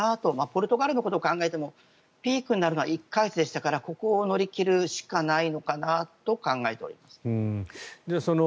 ポルトガルのことを考えてもピークになるのは１か月でしたからここを乗り切るしかないのかなと考えています。